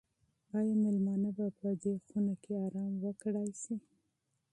آیا مېلمانه به په دې خونه کې ارام وکړای شي؟